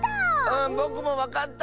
うんぼくもわかった！